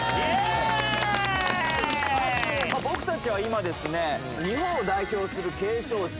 僕達は今ですね日本を代表する景勝地